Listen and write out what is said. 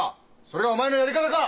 それがお前のやり方か？